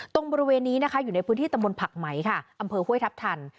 ตรงบริเวณนี้นะคะอยู่ในพื้นที่ตำบลผักไหมค่ะอำเภอห้วยทัพทัน